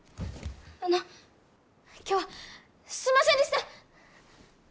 あの今日はすんませんでした！